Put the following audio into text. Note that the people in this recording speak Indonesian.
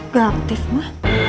gue aktif ma